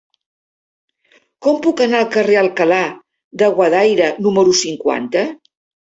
Com puc anar al carrer d'Alcalá de Guadaira número cinquanta?